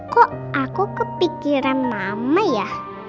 kok aku kepikiran mama ya